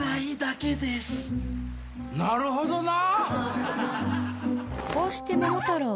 なるほどな！